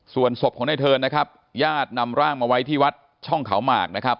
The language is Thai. ส่วนศพของในเทิร์นนะครับญาตินำร่างมาไว้ที่วัดช่องเขาหมากนะครับ